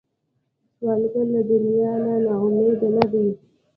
سوالګر له دنیا نه نا امیده نه دی